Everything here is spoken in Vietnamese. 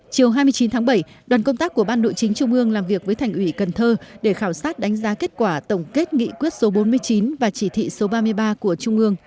chiều hai mươi chín tháng bảy đoàn công tác của ban nội chính trung ương làm việc với thành ủy cần thơ để khảo sát đánh giá kết quả tổng kết nghị quyết số bốn mươi chín và chỉ thị số ba mươi ba của trung ương